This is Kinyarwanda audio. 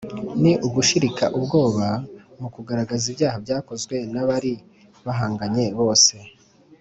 ni ugushirika ubwoba mu kugaragaza ibyaha byakozwe n'abari bahanganye bose,